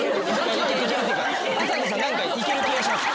あさこさん何かいける気がします。